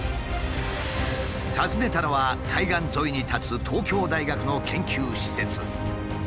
訪ねたのは海岸沿いに立つ東京大学の研究施設。